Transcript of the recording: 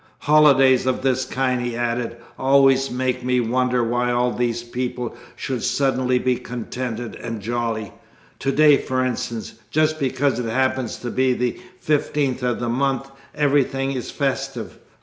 'Holidays of this kind,' he added, 'always make me wonder why all these people should suddenly be contented and jolly. To day for instance, just because it happens to be the fifteenth of the month, everything is festive.